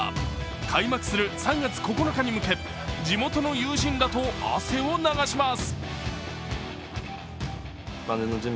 開幕する３月９日に向け地元の友人らと汗を流します。